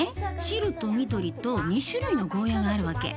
白と緑と２種類のゴーヤーがあるわけ。